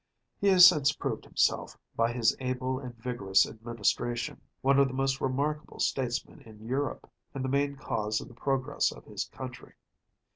He has since proved himself, by his able and vigorous administration, one of the most remarkable statesmen in Europe, and the main cause of the progress of his country.